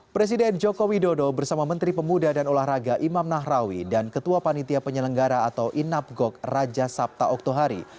presiden joko widodo bersama menteri pemuda dan olahraga imam nahrawi dan ketua panitia penyelenggara atau inapgok raja sabta oktohari